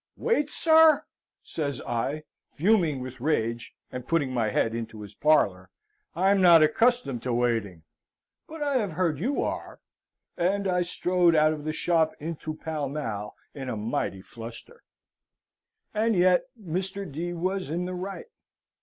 "Wait, sir?" says I, fuming with rage and putting my head into his parlour, "I'm not accustomed to waiting, but I have heard you are." And I strode out of the shop into Pall Mall in a mighty fluster. And yet Mr. D. was in the right.